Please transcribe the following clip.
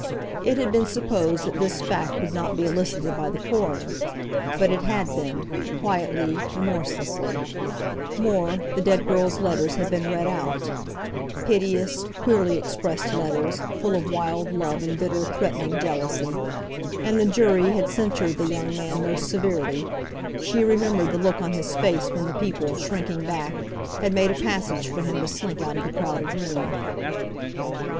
It had been supposed that this fact would not be elicited by the coroner; but it had been, quietly, remorselessly; more, the dead girl's letters had been read out—piteous, queerly expressed letters, full of wild love and bitter, threatening jealousy. And the jury had censured the young man most severely; she remembered the look on his face when the people, shrinking back, had made a passage for him to slink out of the crowded room.